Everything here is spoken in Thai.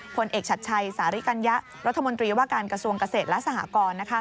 ผลเอกชัดชัยสาริกัญญะรัฐมนตรีว่าการกระทรวงเกษตรและสหกร